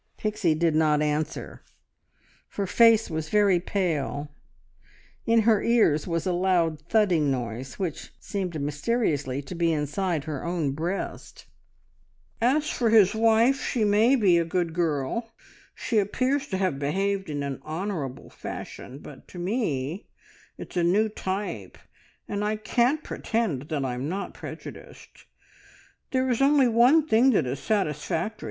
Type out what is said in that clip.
Pixie did not answer. Her face was very pale; in her ears was a loud thudding noise, which seemed mysteriously to be inside her own breast. "As for his wife, she may be a good girl she appears to have behaved in an honourable fashion but to me it's a new type, and I can't pretend that I'm not prejudiced. There is only one thing that is satisfactory.